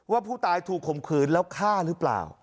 ว่าผู้ตายถูกข่มขืนแล้วฆ่าหรือเปล่า